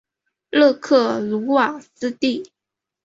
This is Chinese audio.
勒克鲁瓦斯蒂。